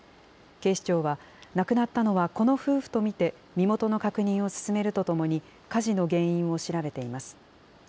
警視庁は、亡くなったのはこの夫婦と見て身元の確認を進めるとともに、火事の原因を調べています。